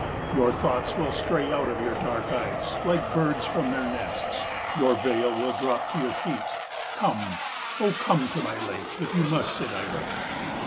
Your thoughts will stray out of your dark eyes like birds from their nests. Your veil will drop to your feet. Come, O come to my lake if you must sit idle.